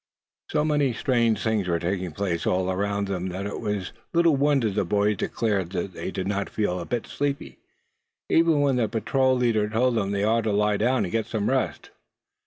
So many strange things were taking place all around them that it was little wonder the boys declared they did not feel a bit sleepy, even when the patrol leader told them they ought to lie down and get some rest.